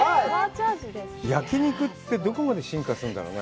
焼き肉って、どこまで進化するんだろうね。